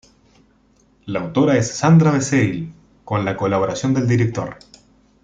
La autora es Sandra Becerril, con la colaboración del director.